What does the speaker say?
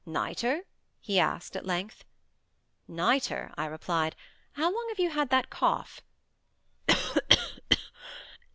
"Nitre?" he asked, at length. "Nitre," I replied. "How long have you had that cough?"